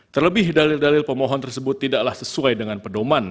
terlebih dalil dalil pemohon tersebut tidaklah sesuai dengan pedoman